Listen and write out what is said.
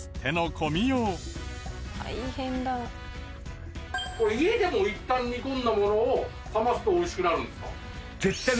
これ家でもいったん煮込んだものを冷ますと美味しくなるんですか？